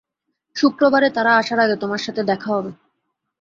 শুক্রবারে তারা আসার আগে তোমার সাথে দেখা হবে।